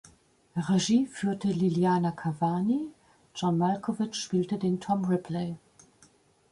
Regie führte Liliana Cavani, John Malkovich spielte den Tom Ripley.